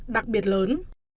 đặc biệt lớn